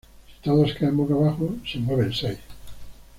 Si todas caen boca abajo, se mueven seis.